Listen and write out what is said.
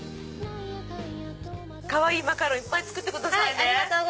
かわいいマカロンいっぱい作ってくださいね。